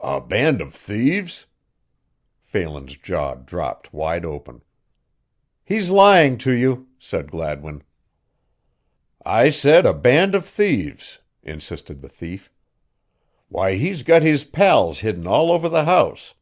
"A band of thieves?" Phelan's jaw dropped wide open. "He's lying to you," cried Gladwin. "I said a band of thieves," insisted the thief. "Why he's got his pals hidden all over the house."